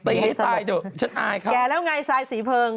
ตีให้ตายเดี๋ยวฉันอายเขาแก่แล้วไงซายสีเพิง